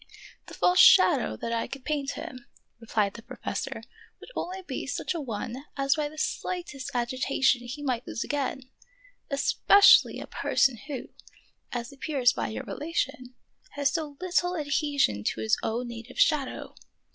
" The false shadow that I could paint him," re plied the professor, " would only be such a one as by the slightest agitation he might lose again, especially a person who, as appears by your rela tion, has so little adhesion to his own native shadow.